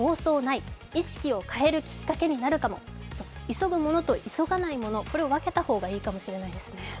急ぐものと急がないものを分けた方がいいかもしれませんね。